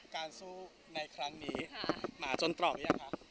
การสู้ในครั้งนี้มาจนตรอกหรือยังครับ